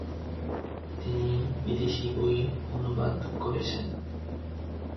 তিনি বিদেশি বই অনুবাদ করেছেন।